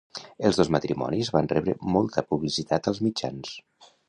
Els dos matrimonis van rebre molta publicitat als mitjans.